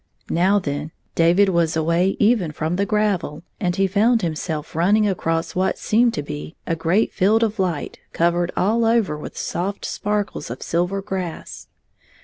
Now then David was away even from the gravel, and he found himself running across what seemed to be a great field of light covered all over with soft sparkles of silver grass.